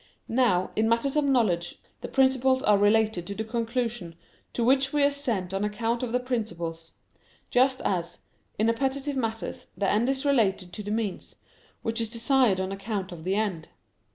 Now, in matters of knowledge, the principles are related to the conclusion to which we assent on account of the principles: just as, in appetitive matters, the end is related to the means, which is desired on account of the end.